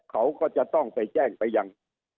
เขาก็จะต้องไปแจ้งไปยัง